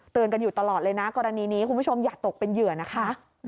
กันอยู่ตลอดเลยนะกรณีนี้คุณผู้ชมอย่าตกเป็นเหยื่อนะคะ